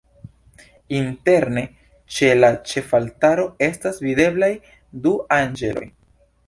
Interne ĉe la ĉefaltaro estas videblaj du anĝeloj.